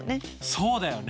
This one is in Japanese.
そうだよね。